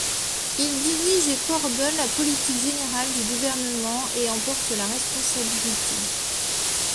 Il dirige et coordonne la politique générale du gouvernement et en porte la responsabilité.